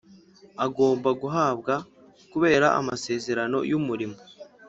agomba guhabwa kubera amasezerano y umurimo